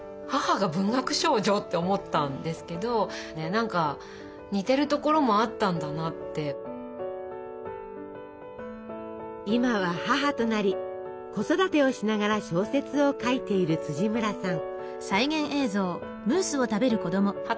それを見てびっくりして今は母となり子育てをしながら小説を書いている村さん。